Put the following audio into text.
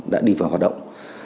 đã đi vào hoạt động